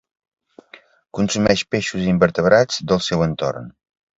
Consumeix peixos i invertebrats del seu entorn.